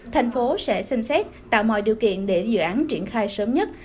thành phố sẽ xem xét tạo mọi điều kiện để dự án triển khai sớm nhất